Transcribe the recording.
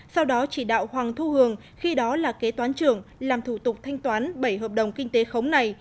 sau đó chỉ đạo hoàng thu hường khi đó là kế toán trưởng làm thủ tục thanh toán bảy hợp đồng kinh tế khống này